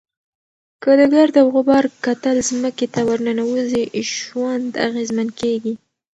که د ګرد او غبار کتل ځمکې ته ورننوزي، ژوند اغېزمن کېږي.